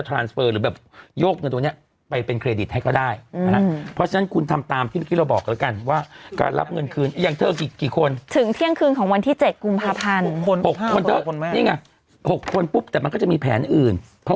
อ๋อตอนนี้ไม่เซ็นสัญญาแต่แต่แต่เป็นชุดใหญ่มาใช่ไหมพี่